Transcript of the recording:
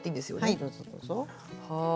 はいどうぞどうぞ。